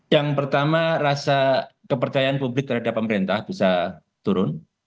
yang pertama rasa kepercayaan publik terhadap pemerintah bisa turun